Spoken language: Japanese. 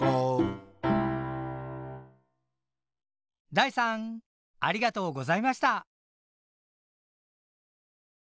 大さんありがとうございました。